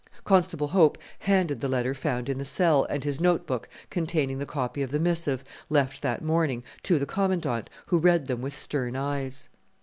Constable Hope handed the letter found in the cell, and his notebook containing the copy of the missive left that morning, to the Commandant, who read them with stern eyes.